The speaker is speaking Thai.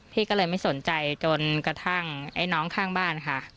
พี่ก็เลยไม่สนใจจนกระทั่งไอ้น้องข้างบ้านค่ะ